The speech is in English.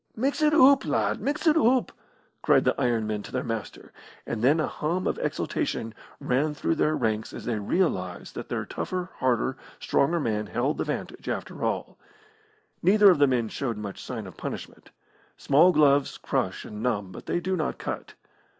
"Mix it oop, lad! Mix it oop!" cried the iron men to their Master. And then a hum of exultation ran through their ranks as they realised that their tougher, harder, stronger man held the vantage, after all. Neither of the men showed much sign of punishment. Small gloves crush and numb, but they do not cut.